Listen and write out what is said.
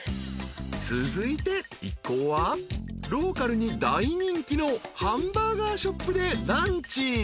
［続いて一行はローカルに大人気のハンバーガーショップでランチ］